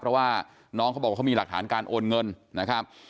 เพราะว่าน้องเขาบอกว่าเขามีหลักฐานการโอนเงินนะครับ